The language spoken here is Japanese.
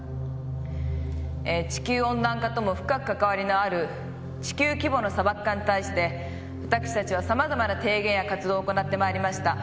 え地球温暖化とも深く関わりのある地球規模の砂漠化に対して私たちは様々な提言や活動を行ってまいりました。